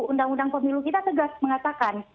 undang undang pemilu kita tegas mengatakan